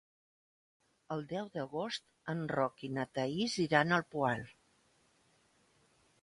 El deu d'agost en Roc i na Thaís iran al Poal.